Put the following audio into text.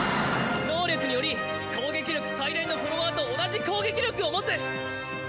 能力により攻撃力最大のフォロワーと同じ攻撃力を持つ。